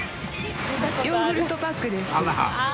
ヨーグルトパックです。